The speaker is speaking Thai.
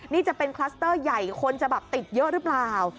นี่จะเป็นคลัสเตอร์ใหญ่คนจะแบบติดเยอะหรือเปล่า